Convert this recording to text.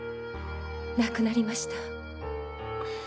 亡くなりました。